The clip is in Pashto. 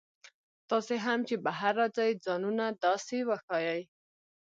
تاسي هم چې بهر راځئ ځانونه داسې وښایئ.